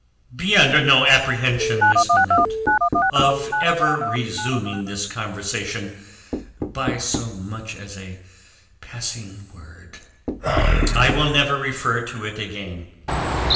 "Be under no apprehension, Miss Manette, of my ever resuming this conversation by so much as a passing word. I will never refer to it again.